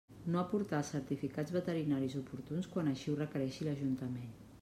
No aportar els certificats veterinaris oportuns quan així ho requereixi l'Ajuntament.